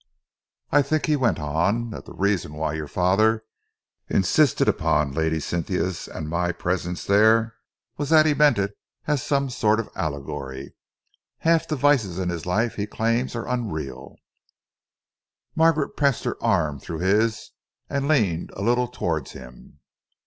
"I think," he went on, "that the reason why your father insisted upon Lady Cynthia's and my presence there was that he meant it as a sort of allegory. Half the vices in life he claims are unreal." Margaret passed her arm through his and leaned a little towards him.